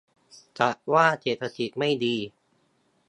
จะว่าเศรษฐกิจไม่ดี